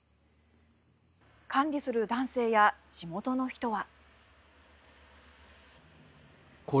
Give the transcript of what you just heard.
管理する男性や地元の人は。